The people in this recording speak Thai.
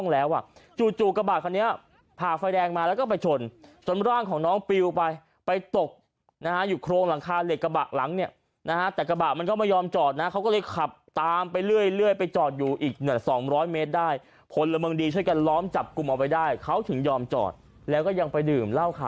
แล้วก็ไฟเขียวเขาก็ออกตัวมาถูกเรื่องความรัก